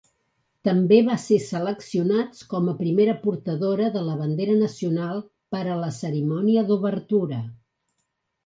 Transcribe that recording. També va ser seleccionats com a primera portadora de la bandera nacional per a la cerimònia d'obertura.